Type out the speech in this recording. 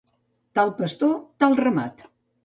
Tal pastor, tal ramat.